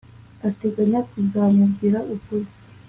ateganya kuzamubwira ukuri